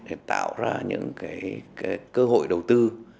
để tạo ra những cơ hội đầu tư